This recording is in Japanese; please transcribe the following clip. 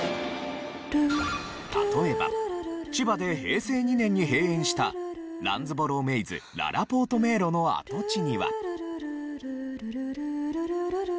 例えば千葉で平成２年に閉園したランズボローメイズららぽーと迷路の跡地には。